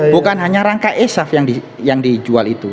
bukan hanya rangka esaf yang dijual itu